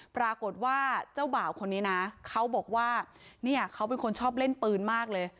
ปรากฏว่าเจ้าบ่าวคนนี้นะเขาบอกว่าเนี่ยเขาเป็นคนชอบเล่นปืนมากเลย